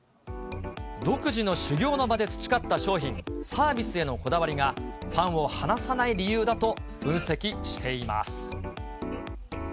独自の修業の場で培った商品、サービスへのこだわりが、ファンを放さない理由だと分析しています。